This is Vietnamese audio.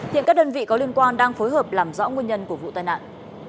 hiện các đơn vị có liên quan đang phối hợp làm rõ nguyên nhân của vụ tai nạn